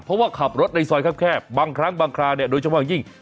เพราะว่าขับรถในซอยแคบบางครั้งบางคราวเนี่ยโดยเฉพาะอย่างยิ่ง